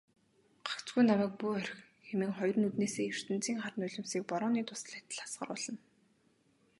"Гагцхүү намайг бүү орхи" хэмээн хоёр нүднээсээ ертөнцийн хар нулимсыг борооны дусал адил асгаруулна.